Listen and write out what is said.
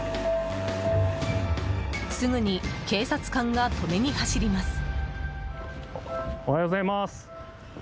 すぐに警察官が止めに走ります。